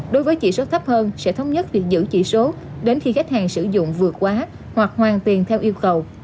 đối với chỉ số thấp hơn sẽ thống nhất việc giữ chỉ số đến khi khách hàng sử dụng vượt quá hoặc hoàn tiền theo yêu cầu